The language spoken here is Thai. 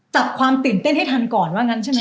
จับความตื่นเต้นให้ทันก่อนว่างั้นใช่ไหม